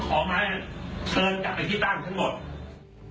เชิญจากไปที่ตั้งทั้งหมด